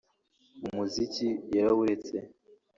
umuziki yarawuretse